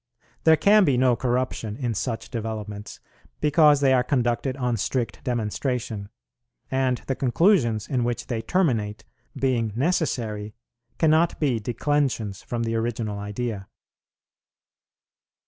There can be no corruption in such developments, because they are conducted on strict demonstration; and the conclusions in which they terminate, being necessary, cannot be declensions from the original idea.